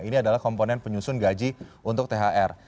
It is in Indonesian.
ini adalah komponen penyusun gaji untuk thr